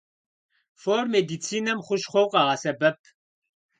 Фор медицинэми хущхъуэу къагъэсэбэп.